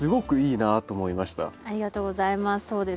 ありがとうございます。